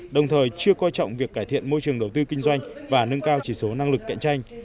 đồng thời chưa coi trọng việc cải thiện môi trường đầu tư kinh doanh và nâng cao chỉ số năng lực cạnh tranh